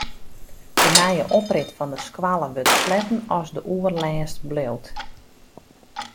De nije oprit fan de skoalle wurdt sletten as de oerlêst bliuwt.